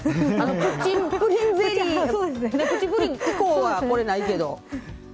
プッチンプリン以降はこれ、ないけど。